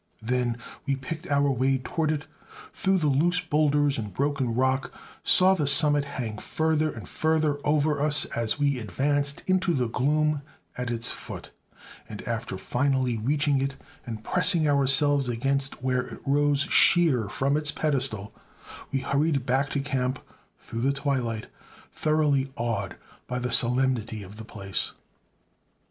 Then we picked our way toward it, through the loose boulders and broken rock; saw the summit hang further and further over us as we advanced into the gloom at its foot, and after finally reaching it and pressing ourselves against it where it rose sheer from its pedestal, we hurried back to camp through the twilight, thoroughly awed by the solemnity of the place.